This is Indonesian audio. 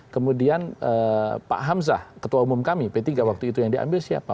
kemudian pak hamzah ketua umum kami p tiga waktu itu yang diambil siapa